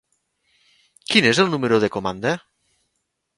Quin és el número de comanda?